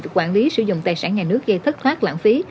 quản lý sử dụng tài sản nhà nước gây thất thoát lãng phí